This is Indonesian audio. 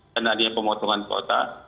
karena ada yang pemotongan kuota